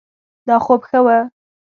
دا خوب ښه ؤ